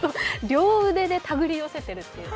両腕で手繰り寄せているという。